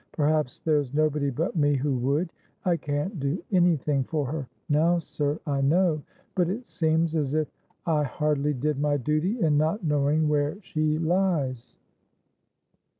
Perhaps there's nobody but me who would. I can't do any thing for her now, sir, I know; but it seems as if I hardly did my duty in not knowing where she lies."